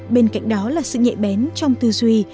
bên cạnh đó là sự nhạy bén trong tư duy